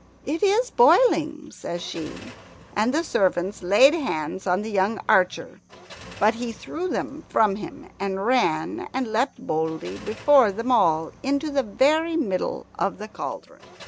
"It is boiling," says she, and the servants laid hands on the young archer; but he threw them from him, and ran and leapt boldly before them all into the very middle of the cauldron.